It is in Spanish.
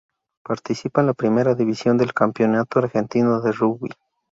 Participa en la Primera División del Campeonato Argentino de Rugby.